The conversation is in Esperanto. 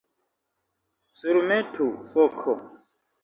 Surmetu, foko!